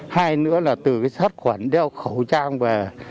hai nữa là từ sát quẩn đeo khẩu trang về